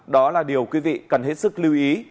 đó là điều quý vị cần hết sức lưu ý